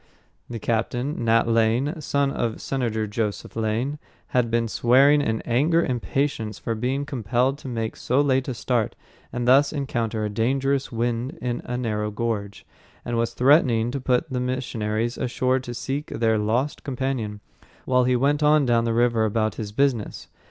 The captain, Nat Lane, son of Senator Joseph Lane, had been swearing in angry impatience for being compelled to make so late a start and thus encounter a dangerous wind in a narrow gorge, and was threatening to put the missionaries ashore to seek their lost companion, while he went on down the river about his business.